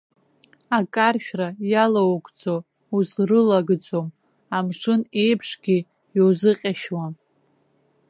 Акаршәра иалоугӡо узрылагӡом, амшын еиԥшгьы иузыҟьашьуам.